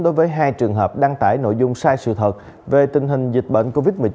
đối với hai trường hợp đăng tải nội dung sai sự thật về tình hình dịch bệnh covid một mươi chín